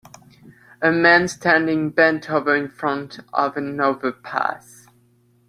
A man standing bent over in front of an overpass.